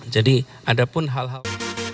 jadi ada pun hal hal